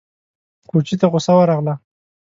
کوچي ته غوسه ورغله!